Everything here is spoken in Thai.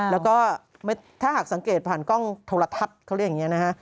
แล้วก็ถ้าหากสังเกตผ่านกล้องโทรทัศน์เขาเรียกอย่างนี้นะฮะ